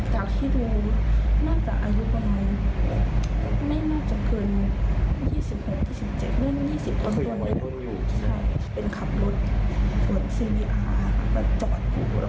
ใช่คือถ้าเป็นคนในหมู่บ้านหรือว่าคนที่เขามีนักสนับ